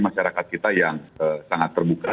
masyarakat kita yang sangat terbuka